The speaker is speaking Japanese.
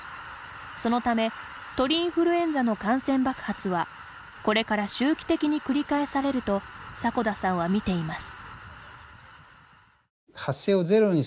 そのため鳥インフルエンザの感染爆発はこれから周期的に繰り返されると迫田さんは見ています。